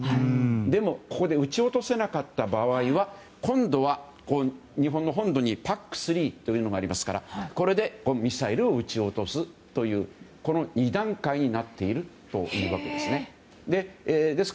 でもここで撃ち落とせなかった場合は今度は日本の本土にＰＡＣ３というのがありますからこれでミサイルを撃ち落とすという２段階になっているわけです。